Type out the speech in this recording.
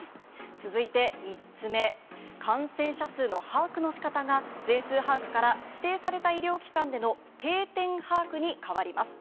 続いて３つ目、感染者数の把握のしかたが、全数把握から、指定された医療機関での定点把握に変わります。